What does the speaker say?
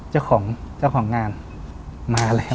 เจ้าของงานมาแล้ว